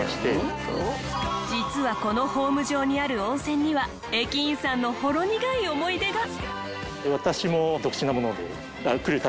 実はこのホーム上にある温泉には駅員さんのほろ苦い思い出が。